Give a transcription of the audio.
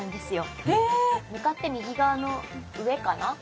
向かって右側の上かな。